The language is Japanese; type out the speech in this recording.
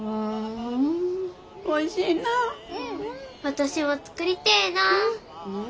私も作りてえなあ。